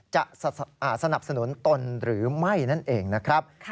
จะสนับสนุนตนหรือไม่นั่นเองนะครับ